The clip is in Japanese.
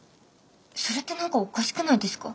それって何かおかしくないですか？